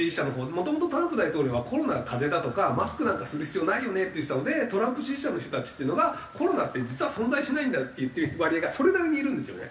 もともとトランプ大統領は「コロナは風邪だ」とか「マスクなんかする必要ないよね」って言ってたのでトランプ支持者の人たちっていうのが「コロナって実は存在しないんだよ」って言ってる割合がそれなりにいるんですよね。